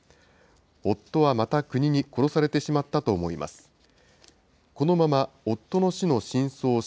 夫はまた国に殺されてしまったと思います。